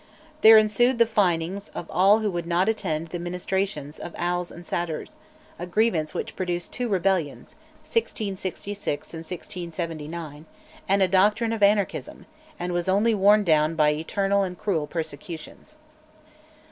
There ensued the finings of all who would not attend the ministrations of "owls and satyrs," a grievance which produced two rebellions (1666 and 1679) and a doctrine of anarchism, and was only worn down by eternal and cruel persecutions.